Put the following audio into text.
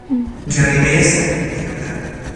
جریمهی سنگین کردن